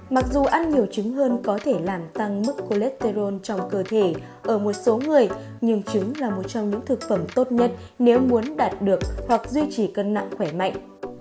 mặc dù ăn nhiều trứng hơn có thể làm tăng mức cholesterol trong cơ thể ở một số người nhưng trứng là một trong những thực phẩm tốt nhất nếu muốn đạt được hoặc duy trì cân nặng khỏe mạnh